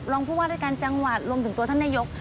ผู้ว่ารายการจังหวัดรวมถึงตัวท่านนายก